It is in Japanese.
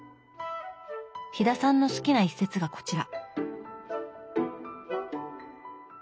飛田さんの好きな一節がこちら。